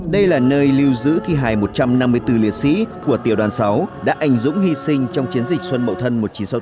đây là nơi lưu giữ thi hài một trăm năm mươi bốn liệt sĩ của tiểu đoàn sáu đã ảnh dũng hy sinh trong chiến dịch xuân mậu thân một nghìn chín trăm sáu mươi tám